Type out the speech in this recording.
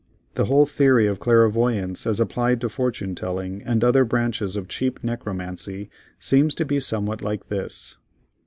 The whole theory of clairvoyance as applied to fortune telling and other branches of cheap necromancy, seems to be somewhat like this.